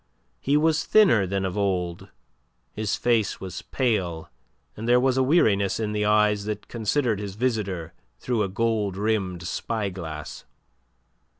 He was thinner than of old, his face was pale and there was a weariness in the eyes that considered his visitor through a gold rimmed spy glass.